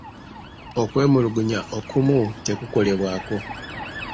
Okwemulugunya okumu tekukolebwako.